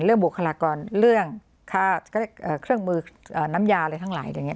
เรื่องบุคลากรเรื่องค่าเอ่อเครื่องมือน้ำยาอะไรทั้งหลายอย่างเงี้ย